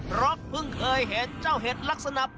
เพราะเพิ่งเคยเห็นเจ้าเห็ดลักษณะ